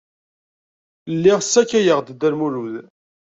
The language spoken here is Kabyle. Lliɣ ssakayeɣ-d Dda Lmulud.